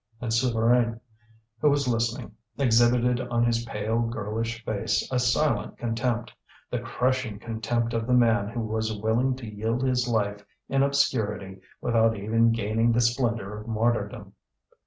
And Souvarine, who was listening, exhibited on his pale, girlish face a silent contempt the crushing contempt of the man who was willing to yield his life in obscurity without even gaining the splendour of martyrdom.